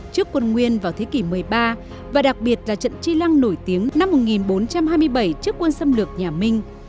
trước quân nguyên vào thế kỷ một mươi ba và đặc biệt là trận chi lăng nổi tiếng năm một nghìn bốn trăm hai mươi bảy trước quân xâm lược nhà minh